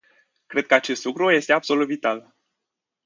Cred că acest lucru este absolut vital.